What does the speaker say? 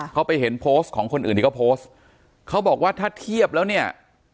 เขาไปเห็นโพสต์ของคนอื่นที่เขาโพสต์เขาบอกว่าถ้าเทียบแล้วเนี่ย